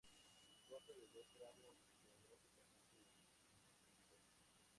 Consta de dos tramos geográficamente disjuntos.